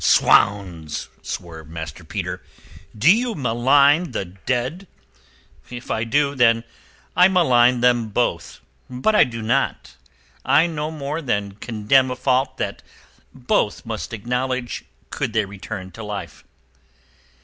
"'Swounds!" swore Master Peter. "Do you malign the dead?" "If I do, I malign them both. But I do not. I no more than condemn a fault that both must acknowledge could they return to life."